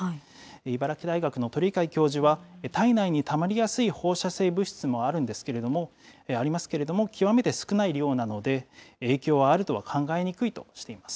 茨城大学の鳥養教授は、体内にたまりやすい放射性物質もあるんですけれども、ありますけれども、極めて少ない量なので、影響があるとは考えにくいとしています。